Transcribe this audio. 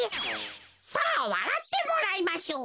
さあわらってもらいましょう。